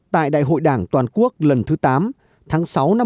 tại đại hội đảng toàn quốc lần thứ tám tháng sáu năm một nghìn chín trăm chín mươi sáu